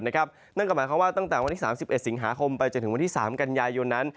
นั่นก็หมายความว่าตั้งแต่วันที่๓๑สิงหาคมไปจนถึงวันที่๓กันยายนนั้น